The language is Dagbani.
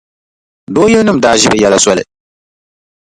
Dooyilinima daa ʒi bɛ yɛla soli.